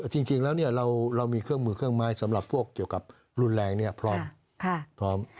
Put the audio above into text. จริงแล้วเรามีเครื่องมือเครื่องไม้สำหรับพวกเกี่ยวกับรุนแรงพร้อมพร้อม